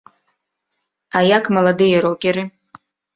А як маладыя рокеры?